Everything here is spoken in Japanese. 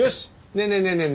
ねえねえねえねえ。